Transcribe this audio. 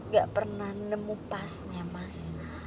gak pernah nemu pasnya mas